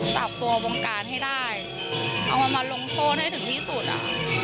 จับตัววงการให้ได้เอามาลงโทษให้ถึงที่สุดอ่ะ